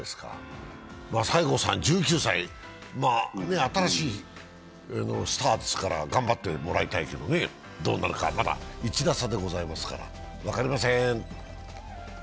西郷さん１９歳、新しいスターですから頑張ってもらいたいけどね、どうなるか、まだ１打差でございますから分かりません。